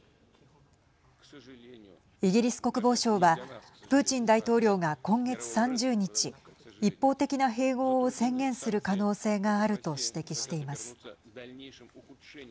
イギリス国防省はプーチン大統領が今月３０日一方的な併合を宣言する可能性があると指摘しています。